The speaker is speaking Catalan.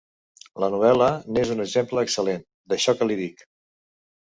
La novel·la n'és un exemple excel·lent, d'això que li dic.